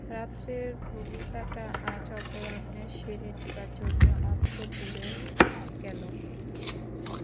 রাত্রের ভূমিকাটা আজ অপরাহ্নে সেরে নেবার জন্যে অন্তঃপুরে গেল।